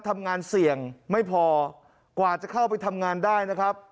ทำงานเสี่ยงไม่พอกว่าจะเข้าไปทำงานได้นะครับ